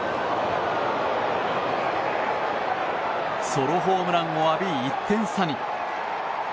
ソロホームランを浴び１点差に。